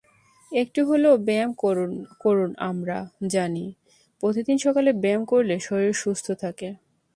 একটু হলেও ব্যায়াম করুনআমরা জানি, প্রতিদিন সকালে ব্যায়াম করলে শরীর সুস্থ থাকে।